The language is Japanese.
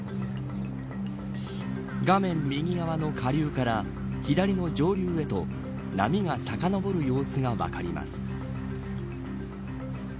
画面右側の下流から左の上流へと波がさかのぼる様子が分かります。